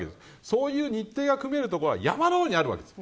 そういう日程が組める所は山のようにあるわけです。